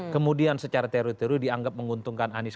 kemudian secara teritori dianggap menguntungkan anies